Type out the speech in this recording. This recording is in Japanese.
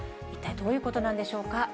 一体どういうことなんでしょうか。